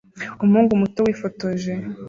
Umuhungu muto wifotoje